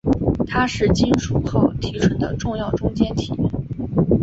它是金属锆提纯的重要中间体。